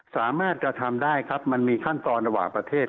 สามารถกระทำได้ครับมันมีขั้นตอนระหว่างประเทศ